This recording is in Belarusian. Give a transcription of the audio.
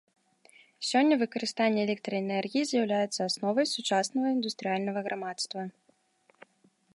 Сёння выкарыстанне электраэнергіі з'яўляецца асновай сучаснага індустрыяльнага грамадства.